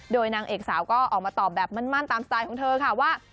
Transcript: โดยนางเอกสาวก็ออกมาตอบแบบมั่นตามสไตล์ของเธอค่ะว่า